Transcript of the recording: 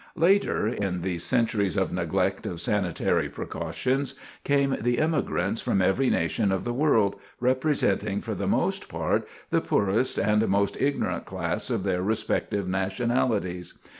Later, in these centuries of neglect of sanitary precautions, came the immigrants from every nation of the world, representing for the most part the poorest and most ignorant class of their respective nationalities.